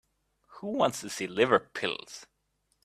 Who wants to see liver pills?